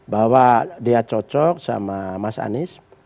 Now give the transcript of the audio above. bahwa dia cocok sama mas anies